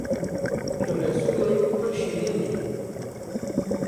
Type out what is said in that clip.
Tu Resûlê pir şîrîn î